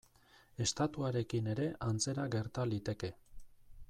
Estatuarekin ere antzera gerta liteke.